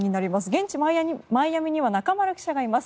現地マイアミには中丸記者がいます。